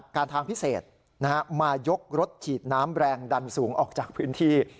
การทางพิเศษมายกรถฉีดน้ำแรงดันสูงออกจากพื้นที่